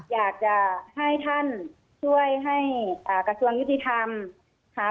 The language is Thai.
อยากจะให้ท่านช่วยให้กระทรวงยุติธรรมค่ะ